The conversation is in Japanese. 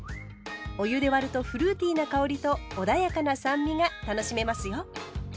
お湯で割るとフルーティーな香りとおだやかな酸味が楽しめますよ。